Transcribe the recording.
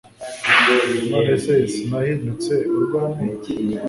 none se sinahindutse urw'amenyo